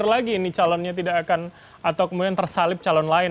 lagi ini calonnya tidak akan atau kemudian tersalib calon lain